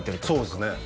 そうですね